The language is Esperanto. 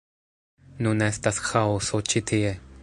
Nun estas ĥaoso ĉi tie